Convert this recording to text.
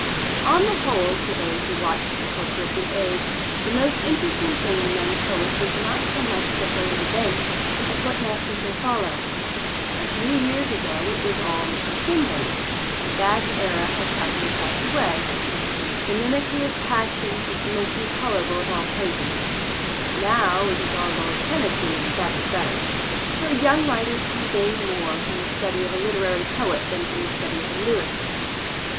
On the whole, to those who watch the culture of the age, the most interesting thing in young poets is not so much what they invent as what masters they follow. A few years ago it was all Mr. Swinburne. That era has happily passed away. The mimicry of passion is the most intolerable of all poses. Now, it is all Lord Tennyson, and that is better. For a young writer can gain more from the study of a literary poet than from the study of a lyrist.